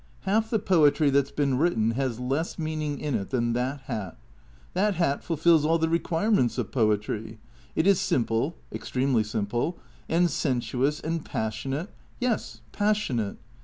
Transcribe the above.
Half the poetry that 's been written has less meaning in it than that hat. That hat fulfills all the requirements of poetry. It is simple — extremely simple — and sensuous and passionate. Yes, passionate.